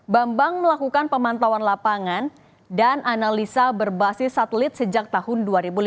bambang melakukan pemantauan lapangan dan analisa berbasis satelit sejak tahun dua ribu lima belas